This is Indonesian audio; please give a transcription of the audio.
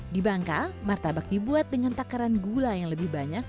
di bangka martabak dibuat dengan takaran gula yang lebih banyak